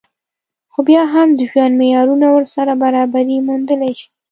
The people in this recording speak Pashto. خو بيا هم د ژوند معيارونه ورسره برابري موندلی شي